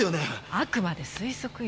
あくまで推測よ。